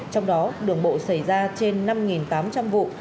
trong đó đường bộ xảy ra trên năm tám trăm linh vụ